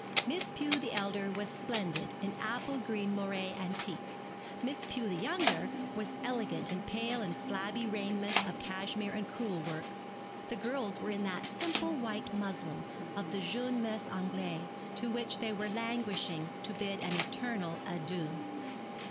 Miss Pew the elder was splendid in apple green moiré antique; Miss Pew the younger was elegant in pale and flabby raiment of cashmere and crewel work. The girls were in that simple white muslin of the jeune Meess Anglaise, to which they were languishing to bid an eternal adieu.